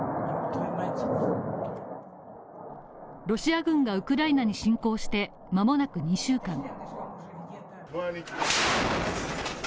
ロシア軍がウクライナに侵攻してまもなく２週間。